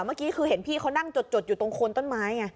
เมื่อกี้คือเห็นพี่เขานั่งจดอยู่ตรงโคนต้นไม้ไง